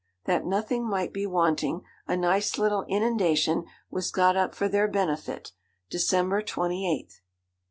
That nothing might be wanting, a nice little inundation was got up for their benefit, December 28th.